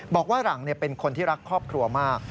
บอกว่าหลังเป็นคนที่รักครอบครัวมาก